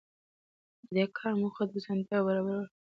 د دې کار موخه د اسانتیاوو برابرول وو.